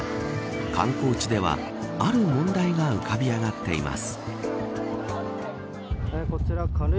観光地では、ある問題が浮かび上がっています。